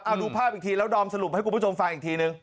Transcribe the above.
เอาดูภาพอีกทีแล้วดอมสรุปให้คุณผู้ชมฟังอีกทีนึง